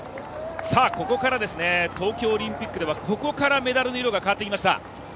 ここからですね東京オリンピックではここからメダルの色が変わってきました。